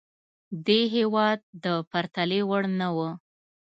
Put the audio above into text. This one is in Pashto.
دې هېواد د پرتلې وړ نه وه.